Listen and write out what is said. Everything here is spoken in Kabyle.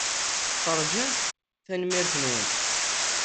Teṛjamt? Tanemmirt-nwent!